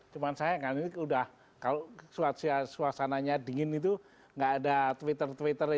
cuma saya kan ini udah kalau suasananya dingin itu nggak ada twitter twitter